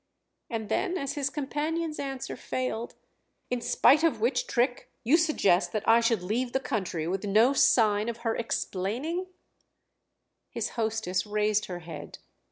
And then as his companion's answer failed: "In spite of which trick you suggest that I should leave the country with no sign of her explaining—?" His hostess raised her head.